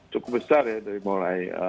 cukup besar ya dari mulai